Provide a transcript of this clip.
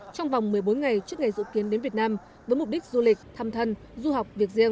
trong vòng một mươi bốn ngày trước ngày dự kiến đến việt nam với mục đích du lịch thăm thân du học việc riêng